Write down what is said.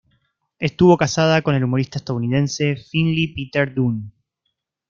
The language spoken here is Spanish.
Estuvo casada con el humorista estadounidense Finley Peter Dunne.